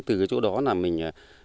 từ cái chỗ đó là mình